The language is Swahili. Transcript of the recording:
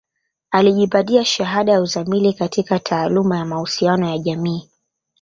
Alijipatia shahada ya uzamili katika taaluma ya mahusiano ya jamii